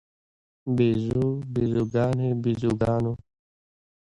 بیزو، بیزوګانې، بیزوګانو